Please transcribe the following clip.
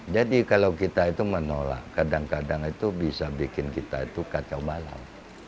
jadi kalau kita itu menolak kadang kadang itu bisa bikin kita itu kacau malam